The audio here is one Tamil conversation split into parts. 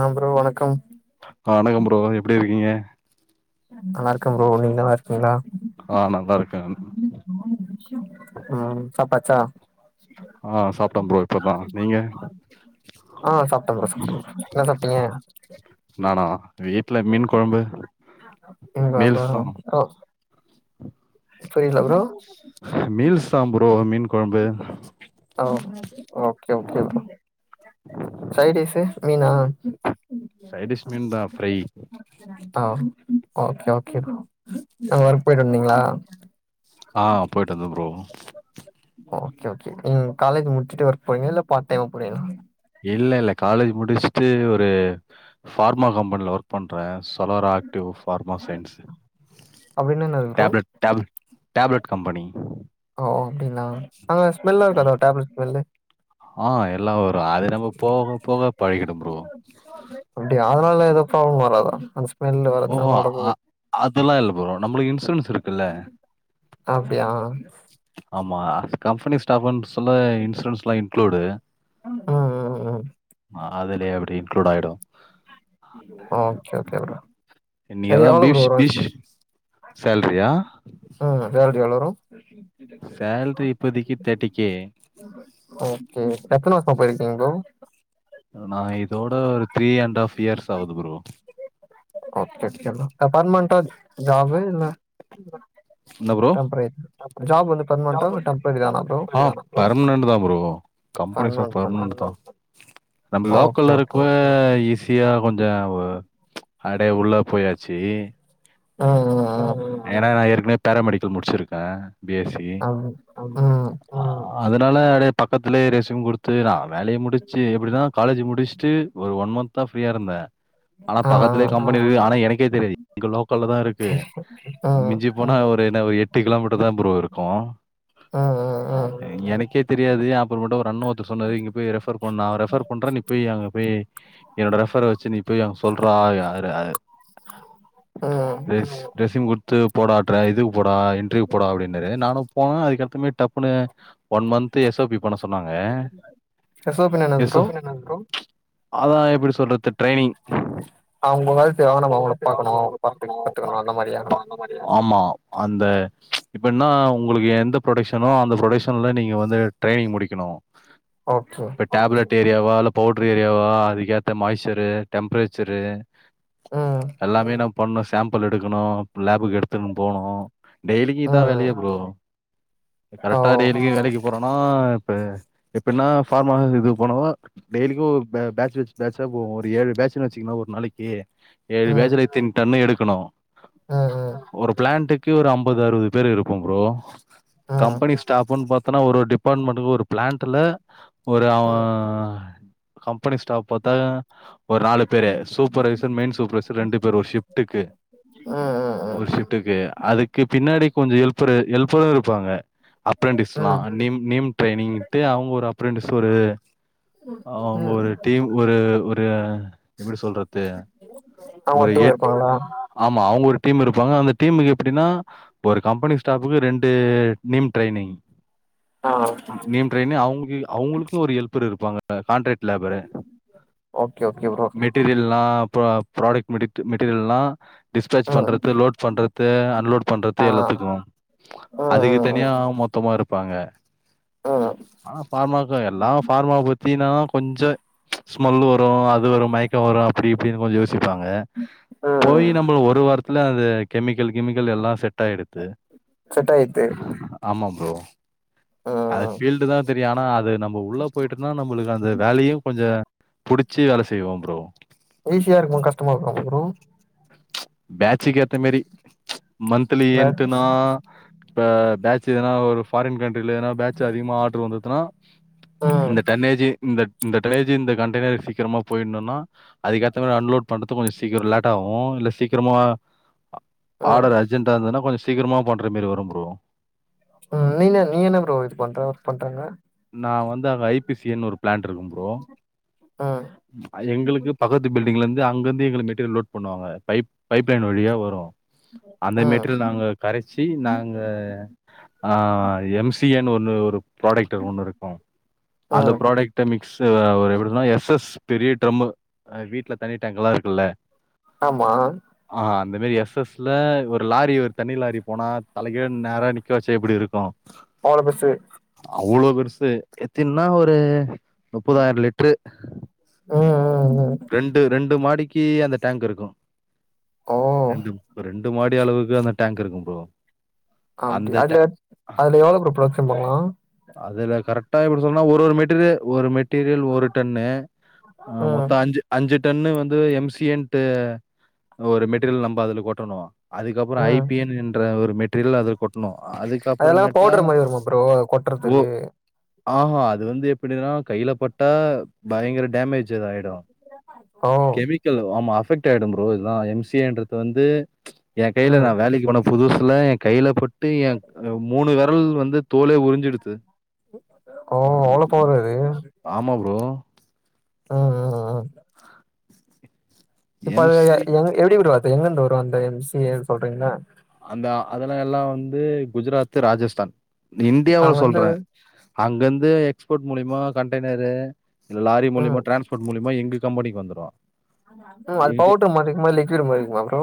ஆ ப்ரோ வணக்கம் வணக்கோ ப்ரோ எப்டி இருக்கீங்க நல்லா இருக்க ப்ரோ நீங்க நல்லா இருக்கீங்ளா ஆ நல்லா இருக்கேன் ம் சாப்டாச்சா ஆ சாப்ட்டே ப்ரோ இப்பதா நீங்க ஆ சாப்டே ப்ரோ சாப்டே ப்ரோ என்னா சாப்ட்டீங்க நானா வீட்ல மீன் கொழம்பு மீன் கொழம்பா மீல்ஸ் தா ஓ புரியில ப்ரோ மீல்ஸ் தா ப்ரோ மீன் கொழம்பு ஓ ஓகே ஓகே ப்ரோ சைட்டீஸ்ஸு மீனா சைடிஷ் மீன் தா ஃப்ரை ஆ ஓகே ஓகே ப்ரோ என்ன ஒர்க் போயிட்டு வந்தீங்ளா ஆ போய்ட்டு வந்த ப்ரோ ஓகே ஓகே நீங்க காலேஜ் முடிச்சுட்டு ஒர்க் போறீங்ளா இல்ல பார்ட் டைமா போறீங்ளா இல்லெல்ல காலேஜ் முடிச்ட்டு ஒரு ஃபார்மா கம்பெனில ஒர்க் பண்றே சொலரா ஆக்டிவ் ஃபார்மா சைன்ஸு அப்டின்னா என்னது bro tablet tablet tablet company ஓ அப்டிங்ளா அங்க ஸ்மெல்லா இருக்காதா டேப்லெட் ஸ்மெல்லு ஆ எல்லா வரு அது நம்ம போக போக பழகிடும் ப்ரோ அப்டியா அதனால எது ப்ராப்ளம் வராதா அந்த ஸ் ஓ அ அதெல்லா இல்ல ப்ரோ நம்மளுக்கு இன்சூரன்ஸ் இருக்குல்ல அப்டியா ஆமா கம்பெனி ஸ்டாஃப்னு சொல்ல இன்சூரன்ஸ் லா இன்க்ளூடு ம் ம் ம் ம் அ அதலே அப்டி இன்க்ளூட் ஆயிடு ஓகே ஓகே ப்ரோ அது நீங்கதா எவ்ளோ ப்ரோ பீஷ் வரு பீஷ் வருஷோ சேல்ரியா ம் சேல்ரி எவ்ளோ வரு சேல்ரி இப்போதைக்கி தேட்டி கே ஓகே எத்தன வர்ஷமா போயிருக்கீங்க ப்ரோ நா இதோட ஒரு த்ரீ அண்ட் ஹாஃப் இயர்ஸ் ஆவுது ப்ரோ அச்சச்சோனா க பர்மெனட்டா ஜாபு இல்ல [unintelligible] என்ன ப்ரோ டெம்பரரி ஜாப் வந்து பர்மனென்ட்டா இல்ல டெம்பரரி தானா ப்ரோ ஆ பர்மனன்ட் தா ப்ரோ கம்பெனி ஸ்டாஃப் பர்மனென்ட் தானா பெர்மனட் தா நம்ம ஓகே லோக்கல்ல ஓகே இருக்க ஈஸி சியா கொஞ்ச அடைய உள்ள போயாச்சி ஆ ஆ அ ஆ ஏனா நா ஏற்கனவே பேராமெடிக்கல் முடிச்சிருக்கே பி எஸ் சி ம் ம் அது ம் ஆ அதனால பக்கத்துலே ரெசிம் குடுத் து நா வேலய முடிச்சு எப்டினா காலேஜ் முடிச்சுட்டு ஒரு ஒன் மன்த்தா ஃப்ரீயா இருந்தே ஆனா ஆ பக்கத்திலே ஆ கம்பெனி இருக்கு ஆனா எனக்கே தெரியாது இங்க லோக்கல்ல தா இருக் கு ம் மிஞ்சி போனா ஒரு என்ன ஒரு எட்டு கிலோமீட்டர் தா ப்ரோ இருக்கு ஆ ஆ எனக்கே தெரியாது அப்புறோமேட்டு ஒரு அண்ணே ஒருத்தர் சொன்னாரு இங்க போய் ரெஃபர் பண்ணா ரெஃபர் பண்றே நீ போய் அங்க போய் என்னோட ரெஃபர வச்சு நீ போய் அங்க சொல்றா அர் அர் அர் அ ஆ ரெஸ் ரெஸ்யூம் குட்த்து போடா ட்றா இதுக்கு போடா இன்ட்ரவியூ போடா அப்டினாரு நானு போனே அதுக்கப்றமே டப்புன்னு one month S O P பண்ண சொன்னாங்க எஸ் ஓ பி னா என்னது எஸ் ப்ரோ ஓ ச் அதா எப்டி சொல்றது ட்ரெய்னிங் அவங்க வர்துக்காக நம்ம அவங்கள பாக்கணு பாத்து பாத்துக்கணு அந்த மாரியா ஆமா அந்த எப்பின்னா ஒங்களுக்கு எந்த ப்ரொடெக்ஷனோ அந்த ப்ரொடெக்ஷன்ல நீங்க வந்து ட்ரெய்னி்ங் முடிக்கணு ஓகே இப்ப டேப்லெட் ஏரியாவா இல்லை பவுட்ரு ஏரியாவா அதுக்கேத்த மாய்ச்சரு டெம்பரேச்சரு ம் எல்லாமே நா பண்ணும் சேம்பிள் எடுக்கணு லேபுக்கு எடுத்துன் போணு டெய்லிக்கு ம் இதா ம் வேலையா ப்ரோ ஓ கரெக்டா டெய்லிக்கு வேலைக்கு போ ஆனா இப்ப எப்பட்ன்னா ஃபார்மா அ இது போனாவா டெயலிக்கு ஒரு பேட்ச் வச் பேட்சா போவோ ஒரு ஏழு பேட்சுனு வச்சிங்கங்களே ஒரு நாளைக்கு ஏழு பேஜ்ல எத்தின் டன்ன எடுக்கணு ஆ ஹ ஒரு பிளாண்ட்க்கு ஒரு ஐம்பது அறுபது பேர் இருப்போ ப்ரோ ம் ம் கம்பெனி ஸ்டாஃப்ன்னு பாத்தனா ஒரு டிபார்ட்மெண்ட்க்கு ஒரு பிளாண்ட்ல ஒரு ம் அவன் கம்பெனி ஸ்டாப் பாத்தா ஒரு நாலு பேரு சூப்பர் வைசர் மெயின் சூப்பர்வைசர் ரெண்டு பேர் ஒரு ஷிப்டுக்கு ம் ஒரு ஷிப்ட்க்கு அதுக்கு பின்னாடி கொஞ்சோ எல்ப்பரு எல்ப்பரு இருப்பாங்க அப்ரண்டிஸ்னா ம் நேம் நேம் ட்ரெனிங்ன்ட்டு அவங்க ஒரு அப்ரெண்ட்டிஸ் ஒரு அவங்க ம் ம் ஒரு டீம் ஒரு ஒரு எப்டி சொல்றது இது அவங்க ஒரு டீம் எட் இருப்பாங்களா ஆமா அவங்க ஒரு டீம் இருப்பாங்க அந்த டீமுக்கு எப்டின்னா ஒரு கம்பெனி ஸ்டாஃப்புக்கு ரெண்டு நீம் ட்ரெய்னிங் ஆ நீம் ட்ரெயன் அவங்க அவங்களுக்கு ஒரு எல்ப்பர் இருப்பாங்க இப்ப கான்ட்ராக்ட் லேபரு ஓகே ஓகே மிட் ப்ரோ மெட்டீரியல் எல்லா அப்றோ ப்ராடக்ட் மெட்டீரியல் எல்லா டிஸ்பேச் ம் பண்றது லோட் பண்றது அன்லோட் பண்றது ஆ எத்துக்கு ம் அதுக்கு ம் தனியா மொத்தமா இருப்பாங்க ம் ம் ஆனா பார்மாக்க எல்லா பார்மா போ எப்டினா கொஞ்சோ ஸ்மெல்லு வரு அது வரு மயக்கோ வரு அப்டி இப்டின்னு கொஞ்சோ யோ சிச்ருப்பாங்க ம் போயி ம் ஒரு வாரத்துல அது கெமிக்கல் கிமிக்கல் எல்லா செட் ஆயிடுத்து செட் ஆய்த்து ஆமா ப்ரோ அது ம் ஃபீல்டு தா தெரியு ஆனா அது நம் நம்ப உள்ள போயிட்டோனா நம்மளுக்கு அந்த வேலையு கொஞ்ச பிடிச்சி வேலை செய்வோ ப்ரோ ஈசியா இருக்குமா கஷ்டமா இருக்குமா ப்ரோ பாச்சுக்கேத்த மாரி மந்த்லி மேக்ஸ் என்ட்டுனா ஆ பேட்ச் எதுன்னா ஒரு ஃபாரின் கண்ட்ரியில ஏனா பேட்ச் அதிகமாக ஆர்டர் வந்ததுன்னா ம் இந்த தன்னேஜி இந்த இந்த டிரனேஜ் இந்த கண்டெய்னர் சீக்கிரமா போயிடணுனா அதுக்கேத்த மாரி அன்லோட் பண்றது கொஞ்ச சீக்கிறோ லேட் ஆகு இல்ல சீக்கிரமா ம் ஆர்டர் அர்ஜென்டா இருந்ததுன்னா கொஞ்ச சீக்கிரமா பண்ற மாரி வரும் ப்ரோ ம் நீ என்ன நீ என்ன ப்ரோ இது பண்ற ஒர்க் பண்ற அங்க நா வந்து அங்க ஐ பி சின்னு ஒரு பிளான்ட் இருக்கும் ப்ரோ ம் அது எங்களுக்கு பக்கத்து பில்டிங்ல இருந்து அங்க இருந்து எங்களை மெட்டீரியல் லோட் பண்ணுவாங்க பைப் பைப் லைன் வழியா வரு அந்த ம் மெட்டரியல் நாங்க கரைச்சி நாங்க ஆ எம் சி ஏன்னு ஒன்னு ஒரு ப்ராடக்ட் ஒண்ணு இருக்கு அந்த ம் ப்ராடக்ட் மிக்ஸ் எப்படினா எஸ் எஸ் பெரிய ட்ரம் வீட்டுல தண்ணி டாங்கல்லா இருக்குல்ல ஆமா ஆ அந்த மாரி எஸ் எஸ்ல ஒரு லாரி ஒரு தண்ணி லாரி போனா தலைகீழ நேரா நிக்க வச்சு எப்படி இருக்கு அ அவ்ளோ பெருசு அவ்வளோ பெருசு எத்தின்னா ஒரு முப்பதாயிர லிட்டரு ஆ ரெண்டு ரெண்டு மாடிக்கு அந்த டேங்க் இருக்கு ஓ ரெண்டு ரெண்டு மாடி அளவுக்கு அந்த டேங்க் இருக்கும் ப்ரோ அந்த அப்டியா டே அதுல அதுல எவ்வளோ ப்ரோ ப்ரோக்ஷன் பண்லா அதுல கரெக்டா இப்படி சொன்னா ஒரு ஒரு மெட்டீரியல் ஒரு மெட்டீரியல் ஒரு டன்னு ஆ ம் மொத்தோ அஞ்சு அஞ்சு டன்னு வந்து எம் சி ஏன்ட்டு ஒரு மெட்டீரியல் நம்ம அதுல கொட்டணு அதுக்கப்புறோ ஐ ம் பி என் என்ற ஒரு மெட்டீரியல் அது கொட்ணு அதெல்லா அதுக்கப்புறமேட்டா பவுடர் மாரி வருமா ப்ரோ ஓ கொட்றதுக்கு ஆஹா அது வந்து எப்படின்னா கையில பட்டா பயங்கர டாமேஜ் எதா ஆயிடு ஓ கெமிக் க்கல் ஆமா அஃபெக்ட் ஆயிடு ப்ரோ இதலா எம் சி ஏ ன்றது வந்து என் கையில ம் நா வேலைக்கு போன புதுசுல என் கையில பட்டு எ மூணு விரல் வந்து தோலே உறிஞ்சிடுது ஓ அவ்ளோ பவர் அது ஆமா ப்ரோ அ அ அ இப்ப அது எம்சி எங் எப்டி ப்ரோ எங்கருந்து வரு அந்த எம் சி ஏனு சொல்றீங்கள அந்த அதல்லா எல்லா வந்து குஜராத் ராஜஸ்தான் இன்டியாவ நாங்க வந்து சொல்றே அங்கந்து எக்ஸ்போர்ட் மூலியமா கண்டெய்னரு இல்ல லாரி ம் மூலியமா டிரான்ஸ்போர்ட் மூலியமா எங்க கம்பெனிக்கு வந்துரு ம் அது எங்க பவுடர் மாரிக்குமா லிக்விட் மாரிருக்குமா ப்ரோ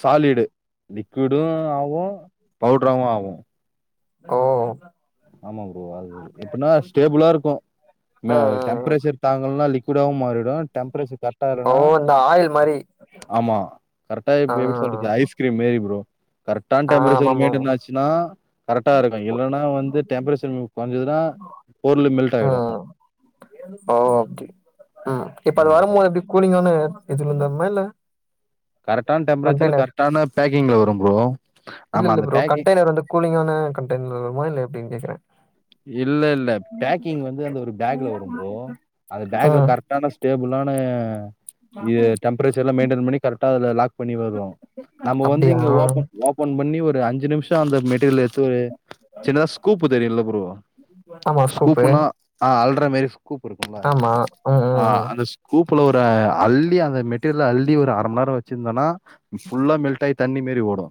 சாலிடு லிக்விடு ஆவு பவுட்ராவு ஆவு ஓ ஆமா ப்ரோ அது எப்படின்னா ஸ்டேபுளா இருக்கு ம் ம் டெம்பரேச்சர் தாங்கலனா லிக் விடாவு மாறிடு டெம்ப்ரேச்சர் கர ஓ டாருணா இந்த ஆயில் மாரி ஆமா கரெக்டா ஆ இப்ப எப்டி சொல்றத் ஐஸ்கிரீம்மேரி ப்ரோ கரெக்டான ஆ டெம்ரேச்சர் ஆமாமாமா மெய்ன்டன் ஆச்சுனா கரெக்ட்டாருக்கு இல்லன்னா வந் டெம்பரேச்சர் கொறைஞ்சதுன்னா பொருளே மெல்ட் ஆயிடு ஓகே அ இப்ப அது வரும்போது எப்டி கூலிங்கான இதுலந்தமா இல்ல கரெக்டான டெம்பரேச்சர்ல கண்டெய்னர் கரெக்டான பேக்கிங்ல வரு ப்ரோ இல்ல நம்ம இல்ல அந்த ப்ரோ பேக்கிங் கண்டெய்னர் வந்து கூலிங்கான கண்டெய்னர்ல வருமா இல்ல ஏப்டின்னு கேக்கற இல்ல இல்ல பேக்கிங் வந்து அந்த ஒரு பேக்ல வரு ப்ரோ அந்த பேக்ல ம் கர் டான ஸ்டேபுளான இது டெம்ப்ரேச்சரெல்லா மெய்டெய்ன் பண்ணி கரெக்டா அத லாக் பண்ணி வரு நம்ம வந்து அப்டியா இங்க ஓபன் ஓப் ஃபோன் பண்ணி ஒரு அஞ்சு நிமிஷோ அந்த மெட்டீரியல எடுத்து ஒரு சின்ன ஒரு ஸ்கூப்பு தெரியுல ப்ரோ ஆமா ஸ்கூப்பு ஸ்கூப்புனா ஆ அல்ர மேரி ஸ்கூப் இருக்குல்ல ஆமா ம் ஆ ம் ம் அந்த ஸ்கூப்புல ஒரு அள்ளி அந்த மெட்டீரியல அள்ளி ஒரு அர மணி நேரோ வச்சிருந்தோன்னா ஃபுல்லா மெல்ட் ஆயி தண்ணி மறி ஓடு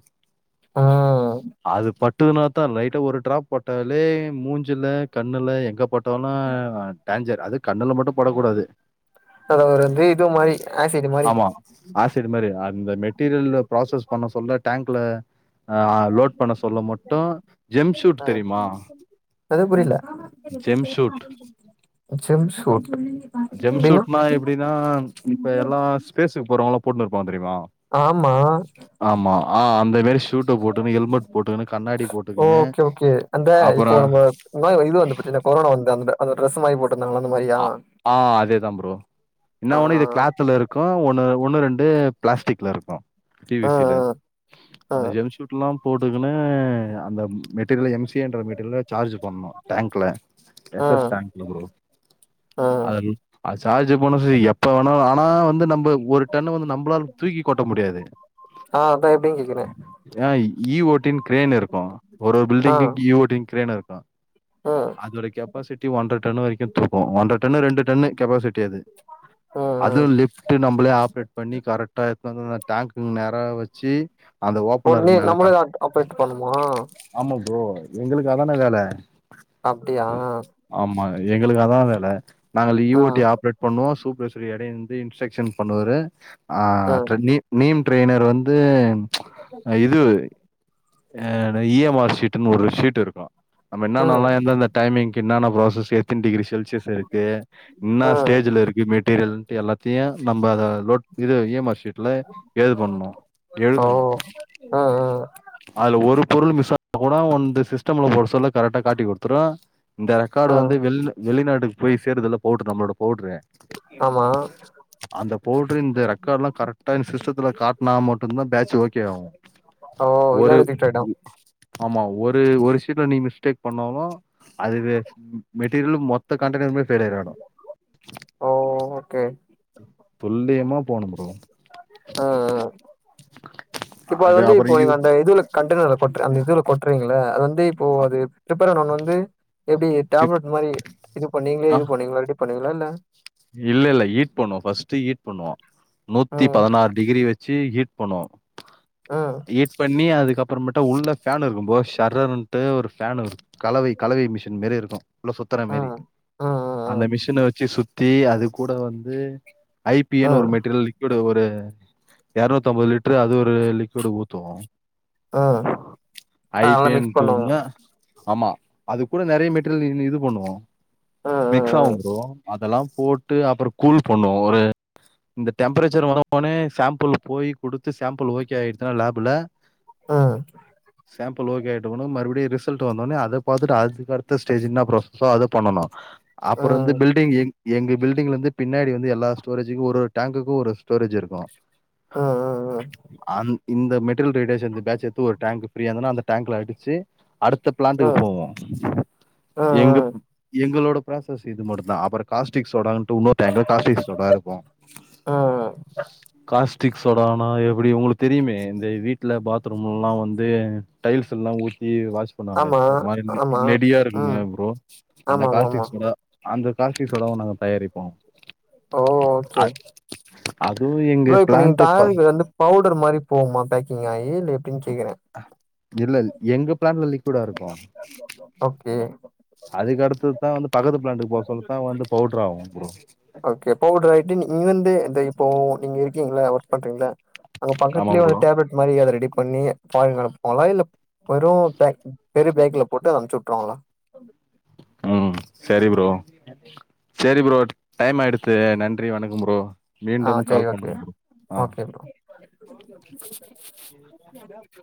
ம் அது பட் ட்டுனா தா லைட்டா ஒரு டிராப் பட்டாலே மூஞ்சில, கண்ணுல எங்க பட்டாலு டேஞ்சர் அது கண்ணுல மட்டு பட கூடாது அத ஒரு இது இது மாரி ஆசிட் மாரி அசிட் மாரி அந்த மெட்டீரியல்ல ப்ராசஸ் பண்ண சொல்ல டேங்க்ல ஆ லோட் பண்ண சொல்ல மட்டு ஜெம் ஷூட் தெரிமா என்னது புரில ஷூட். ஜெம்சூட் ஜெம் ஷூட்னா எப்டின்னா இப்ப எல்லா ஸ்பேஸுக்கு போறவங்கல்லா போட்டுன்னுஇருப்பாங்க தெரிமா ஆமா ஆமா ஆ அந்த மேரி ஷூட்ட போட்டுன்னு ஹெல்மெட் போட்டுக்குணு கண்ணாடி போட்டுக்குணு அப்பறோ நா இது வந்துபத்தினா கொரோனா வந்து அந்த ட்ரெஸ் மாரி போட்டுருந்தாங்கள அந்த மாரியா அ ஆ அதேதா ப்ரோ என்ன ஆ ஒண்ணு இது கிளாத்துல இருக்கு ஒன்னு ஒண்ணு ரெண்டு பிளாஸ்டிக்ல இருக்கு டி வி ஆ சி ல ஆ அந்த ஜெம்சூட்லா போட்டுக்குனு அந்த மெட்டீரியல எம் ஸி த்ரீ ஹன்ட்ரட் மீட்டர்ல சார்ஜ் பண்னணு டேங்குல ஆ ஆ ரெஃப்ரஷ் டேங்க்ல ப்ரோ அதுலு அத சார்ஜ் போனு சொல்லி எப்ப வேணா ஆனா வந்து நம்ம ஒரு டன்னு வந்து நம் ளால தூக்கி கொட்ட முடியாது ஆ அதா எப்டின்னு கேக்குறே அ ஈ ஓ டின் கிரேன் இருக்கு ஒரு ஒரு ஆ பில்டிங்கிகி ஈ ஓ டின் கிரேன் இருக்கு ம் அதோட கெப்பாசிட்டி ஒன்றர டன் வரைக்கு ஒன்றர டன்னு ரெண்டு டன்னு கெப்பாசிட்டி அது ம் அதுவு ம் லிஃப்டு நம்மளே ஆப்ரேட் பண்ணி கரெக்டா எத்துனு வந்து அந்த டேங்க்குகு நேரா வச்சி அந்த ஓ ஓப்பனர் நீ மேல நம்மளே தான் ஆப்ரேட் பண்ணுமா ஆமா ப்ரோ எங்களுக்கு அதான வேல அப்டியா ஆமா எங்களுக்கு அதா வேல நாங்க லீயி ஓ டி ஆப்ரேட் பண்ணுவோ சூப்ரவைச இவரு எடய்ந்து இன்ஸ்ட்ரக்ஷன் பண்ணுவாரு ஆ ட்ரெ நீம் ட்ரெய்னர் வந்து இதுவு ஆ இ எம் ஆர் ஷீட்டுனு ஒரு ஷீட் இருக்கு நம்ம ம் என்னன்னலா எந்தந்த டைமிங்கு என்னன்ன ப்ராசஸ் எத்தன டிகிரி செல்சியஸ் இருக்கு என்னா ஆ ஸ்டேஜ்ல இருக்கு மெட் டீரியல்ன்ட்டு எல்லாத்தையு நம்ம அத லோட் இது இ எம் ஆர் ஷீட்ல ஏது பண்ணோ ஓ ஆ ஆ அதுல ஒரு பொருள் மிஸ் ஆனா கூட ஒன்து சிஸ்டம்ல போட சொல்ல கரெக்டா காட்டி குடுத்துரு இந்த ஆ ரெக்கார்டு வந்து வெள்ள வெளிநாட்டுக்கு போய் சேருதுல்ல பவ்ட்ரு நம்மளோட பவ்ட்ரு ஆமா அந்த பவுட்ரு இந்த ரெக்கார்ட் லா கரெக்டா இந்த சிஸ்டத்துல காட்னா மட்டுந்தா பேட்சு ஓகே ஆவு ஓ ஒரு எல்லா ரிஜெக்ட் ஆயிட்டா ஆமா ஒரு ஒரு ஷீட்ல நீ மிஸ்டேக் பண்ணாலு அதுவே மெட்டீரியல் மொத்த கண்டெய்னருக்குமே ஃபெய்லியர் ஆய்டும் ஓ ஓகே துல்லியமா போனு ப்ரோ ஆ ஆ இப்ப அது வந்து அப்புற இப்போ யூ நீங்க அந்த இதுல கண்டெய்னர்ல கொட்ர அந்த இதுல கொட்றீங்கள அது வந்து இப்போ அது பிப்பரனான் வந்து எப்டி கிப்- டேப்லெட் மாரி இது பண்ணி நீங்ளே ஆ இது பண்ணீங்ளா ரெடி பண்ணீவிங்ளா இல்ல இல்ல இல்ல ஹீட் பண்ணுவோ ஃபஸ்ட்டு ஹீட் பண்ணுவோ நூத்தி ம் பதினாறு டிகிரி வச் சி ஹீட் பண்ணுவோ ம் ஹீட் பண்ணி அதுக்கப் அப்புறமேட்டு உள்ள ஃபேன் இருக்கும்ப்ரோ ஷரருன்ட்டு ஒரு ஃபேனு கலவை கலவை மிஷின் மெரிய இருக்கு உள்ள சுத்துற மெரி ம் ம் அந்த ம் மிஷின வச்சு சுத்தி அது கூட வந்து ஐ பி எ ம் னு ஒரு ம் மெட்டீரியல் லிக்விடு ஒரு எரநூத்தி அம்பது லிட்ரு அது ஒரு லிக்விடு ஊத்துவோ ம் ஆ ஐ பி நல்லா ஏ மிக்ஸ் பண்ணுவாங்க டுன்னு ஆமா அது கூட நெறையா மெட்டீரியல்னு இது பண்ணுவோ மிக்ஸா ம் வும்ப்ரோ அதெல்லா போட்டு அப்றோ கூல் பண்ணுவோ ஒரு இந்த டெம்பரேச்சர் வரப்போனே சாம்பிள் போய் குடுத்து சாம்பிள் ஓகே ஆய்டுசுனா லேபுல ஆ சாம்பிள் ஓகே ஆயிட்டவொன்ன மறுபடியு ரிசல்ட் வந்தோனே அத பாத்தட்டு அதுக்கடுத்த ஸ்டேஜு என்னா ப்ராஸஸ் அத பண்ணனு ம் அப்றோ வந்து ம் பில்டிங்கு எங்க பில்டிங்லேந்து பின்னாடி வந்து எல்லா ஸ்டோரேஜுக்கு ஒரு ஒரு டேங்குக்கு ஒரு ஸ்டோரேஜ் இருக்கு ஆ ஆ அந் இந்த மெட்டீரியல் ரேடியஷன் பேட்ச எத்து ஒரு டேங்க் ஃபிரீயாந்தன அந்த டேங்க்ல வெச்சு அடுத்த ம் ம் பிளான்டுக்கு ம் போவோம் ம் எங்கப் எங்களோடப் ப்ராசஸ் இது மட்டும்தான் அப்பரோ காஸ்டிக் சோடான்ட்டு இன்னொரு டேங்க்லா காஸ்டிக் சோடா இருக்கும் ஆ காஸ்டிக் சோடானா எப்டி உங்களுக்கு தெரியுமே இந்த வீட்ல பாத்ரூம்லல்லா வந்து டைல்ஸ்க்குல்லா ஊத்தி வாஷ் பண்ணுவாங்லே ஆமா ஒரு மாரி ஆமா நெடியா ம் இருக்குமே ப்ரோ அந்த ஆமாமாமா காஸ்டிக் சோடா அந்த காஸ் டிக் சோடாவும் நாங்க தயாரிப்போம் ஓ ஓகே அத் அதுவு எங் ப்ரோ இப்ப நீங்க தயாரிக்றது வந்து பவுடர் மாரி போகுமா பேக்கிங் ஆயி இல்ல எப்டின் கேக்குறே இல்ல இல் எங்க பிளான்ல லிக்வுடா இருக்கு ஓகே அதுக் அடுத்துதான் வந்து பக்கத்து பிளான்ட்டுக்கு போக சொல்லதான் வந்து பவுட்ர் ஆகும் ம் ஓகே பவுட்ர்ராய்டு நீ இங்கந்து இந்த இப்போ இங்க இருக்கீங்கல்ல ஒர்க் பண்றீங்ல்ள அங்க ஆமா பக்கத்துலேயே ப்ரோ டேப்லெட் மாரி அத ரெடி பண்ணி ஃபாரின் அனுப்போங்ளா இல்ல வறும் பேக் பெரிய பேக்ல போட்டு அம்ச்சு வுட்ருவாங்லா ம் செரி ப்ரோ செரி ப்ரோ டைம் ஆய்டுச் சே நன்றி வணக்கம் ப்ரோ ஆ மீண்டும் செரி கால் ஓகே பண்ணுங்க ப்ரோ ஆ ஓகே ப்ரோ [inaudible]